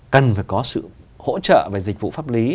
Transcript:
cần phải có sự hỗ trợ về dịch vụ pháp lý